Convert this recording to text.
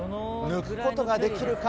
抜くことができるか？